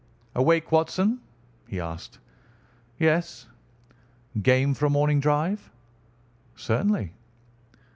"Awake, Watson?" he asked. "Yes." "Game for a morning drive?" "Certainly."